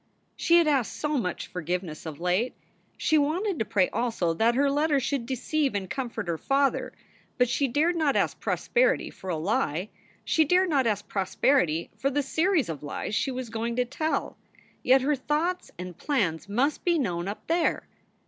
She had asked so much forgiveness of late! She wanted to pray also that her letter should deceive and comfort her father. But she dared not ask prosperity for a lie. She dared not ask prosperity for the series of lies she was going to tell. Yet her thoughts and plans must be known Up There.